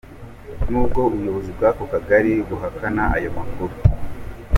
N’ubwo ubuyobozi bwako kagali buhakana ayo makuru.